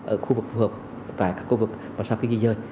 ở khu vực phù hợp tại các khu vực và sau khi di dời